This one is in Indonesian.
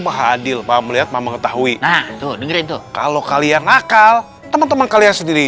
maha adil pak melihat mengetahui kalau kalian nakal teman teman kalian sendiri